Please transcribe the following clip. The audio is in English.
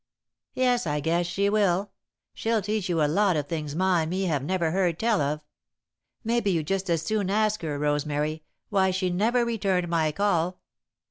"Yes, I guess she will. She'll teach you a lot of things Ma and me have never heard tell of. Maybe you'd just as soon ask her, Rosemary, why she never returned my call?"